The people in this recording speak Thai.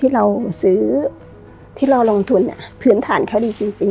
รับทุนเราน้อย